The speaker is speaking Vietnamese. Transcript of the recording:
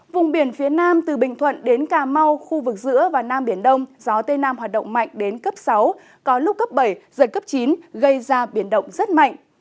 vùng biển phía nam từ bình thuận đến cà mau khu vực giữa và nam biển đông gió tây nam hoạt động mạnh đến cấp sáu có lúc cấp bảy giật cấp chín gây ra biển động rất mạnh